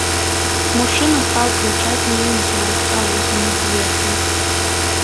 Мужчына стаў крычаць на іх з гаўбца восьмага паверха.